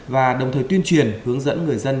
và đồng thời tuyên truyền hướng dẫn người dân